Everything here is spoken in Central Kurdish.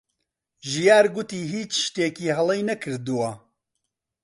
ژیار گوتی هیچ شتێکی هەڵەی نەکردووە.